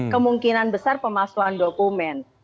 kemungkinan besar pemalsuan dokumen